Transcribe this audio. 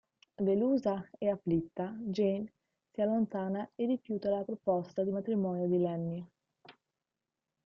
Delusa e afflitta, Jean si allontana e rifiuta la proposta di matrimonio di Lenny.